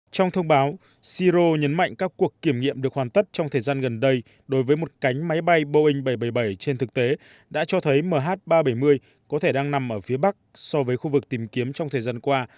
trong thông báo siro nhấn mạnh các cuộc kiểm nghiệm được hoàn tất trong thời gian gần đây đối với một cánh máy bay boeing bảy trăm bảy mươi bảy trên thực tế đã cho thấy mh ba trăm bảy mươi có thể đang nằm ở phía bắc so với khu vực tìm kiếm trong thời gian qua